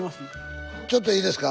ちょっといいですか。